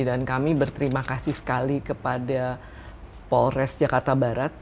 dan kami berterima kasih sekali kepada polrest jakarta barat